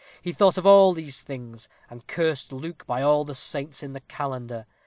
He thought of all these things, and cursed Luke by all the saints in the calendar.